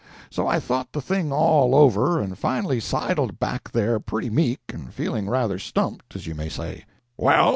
So I thought the thing all over and finally sidled back there pretty meek and feeling rather stumped, as you may say. "Well?"